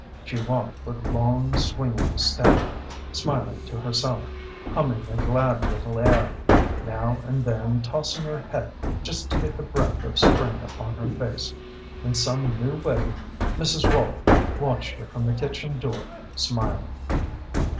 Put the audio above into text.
She walked with long, swinging step, smiling to herself, humming a glad little air, now and then tossing her head just to get the breath of spring upon her face in some new way. Mrs. Rolfe watched her from the kitchen door, smiling.